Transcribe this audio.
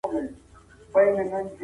هر وګړی د هېواد په ودانولو کي مسؤلیت لري.